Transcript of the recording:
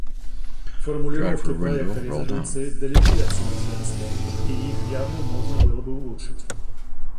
Формулировки проекта резолюции далеки от совершенства, и их явно можно было бы улучшить.